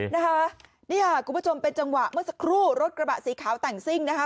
นะคะนี่ค่ะคุณผู้ชมเป็นจังหวะเมื่อสักครู่รถกระบะสีขาวแต่งซิ่งนะคะ